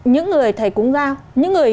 những người thầy cúng giao những người